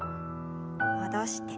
戻して。